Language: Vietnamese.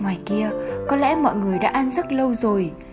ngoài kia có lẽ mọi người đã ăn rất lâu rồi